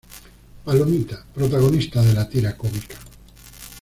Palomita: Protagonista de la tira cómica.